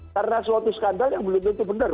karena suatu skandal yang belum tentu benar